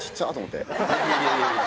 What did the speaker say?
いやいや。